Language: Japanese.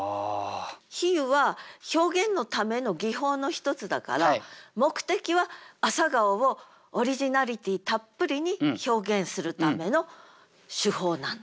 比喩は表現のための技法の一つだから目的は朝顔をオリジナリティたっぷりに表現するための手法なんだ。